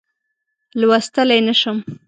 لوستلای نه شم.